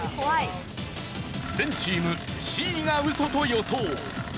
全チームＣがウソと予想。